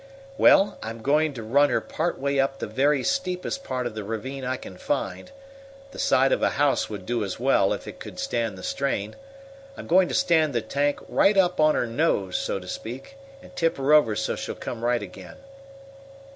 "Well, I'm going to run her part way up the very steepest part of the ravine I can find the side of a house would do as well if it could stand the strain. I'm going to stand the tank right up on her nose, so to speak, and tip her over so she'll come right again."